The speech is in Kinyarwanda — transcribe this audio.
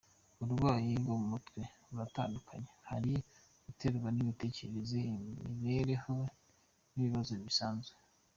Uburwayi bwo mu mutwe buratandukanye, hari ubuterwa n’imitekerereze, imibereho n’ibibazo bisanzwe.